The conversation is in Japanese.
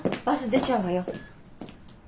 バス出ちゃうわよ。